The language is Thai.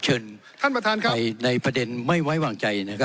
เชิญไปในประเด็นไม่ไว้วางใจ